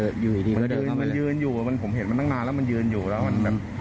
เดินมันยืนอยู่แล้วมันผมเห็นมันตั้งนานแล้วมันยืนอยู่แล้ว